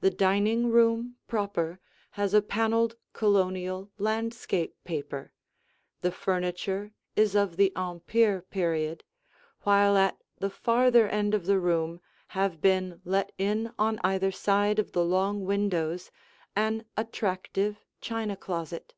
The dining room proper has a paneled Colonial landscape paper; the furniture is of the Empire period, while at the farther end of the room have been let in on either side of the long windows an attractive china closet.